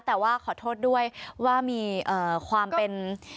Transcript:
แต่ว่าขอโทษด้วยว่ามีความเป็น